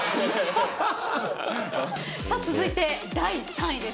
続いて第３位です。